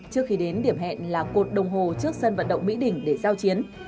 trước khi đến điểm hẹn là cột đồng hồ trước sân vận động mỹ đỉnh để giao chiến